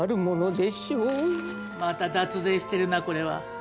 また脱税してるなこれは。